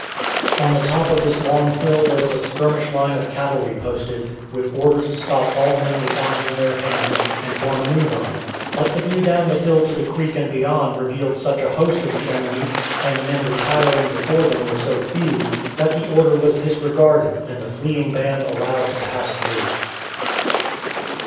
On the top of this long hill there was a skirmish line of cavalry posted, with orders to stop all men with arms in their hands, and form a new line; but the view down the hill to the creek and beyond revealed such a host of the enemy, and the men retiring before them were so few, that the order was disregarded and the fleeing band allowed to pass through.